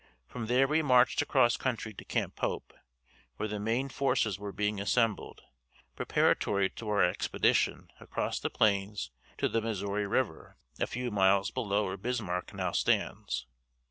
From there we marched across country to Camp Pope, where the main forces were being assembled, preparatory to our expedition across the plains to the Missouri river a few miles below where Bismarck now stands.